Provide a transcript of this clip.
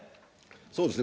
そうですね。